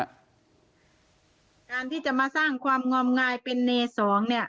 การที่จะมาสร้างความงอมงายเป็นเนสองเนี่ย